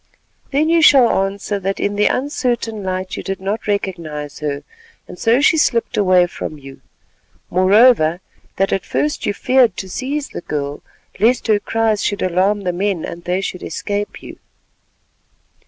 "Then you shall answer that in the uncertain light you did not recognise her and so she slipped away from you; moreover, that at first you feared to seize the girl lest her cries should alarm the men and they should escape you."